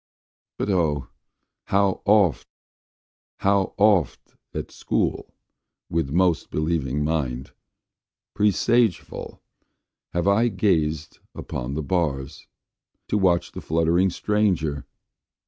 But O! how oft, How oft, at school, with most believing mind, Presageful, have I gazed upon the bars, To watch that fluttering stranger!